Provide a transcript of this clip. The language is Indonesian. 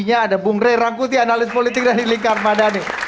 ada bung rey rangkuti analis politik dari lingkar madani